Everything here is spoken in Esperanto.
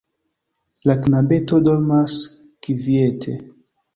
La knabeto dormas kviete.